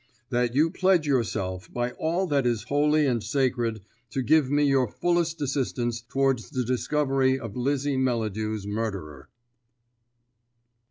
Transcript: "That you pledge yourself by all that is holy and sacred to give me your fullest assistance towards the discovery of Lizzie Melladew's murderer."